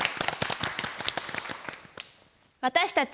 私たち。